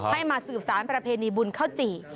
ให้มาสืบสารประเพลินบุญเข้าจีย์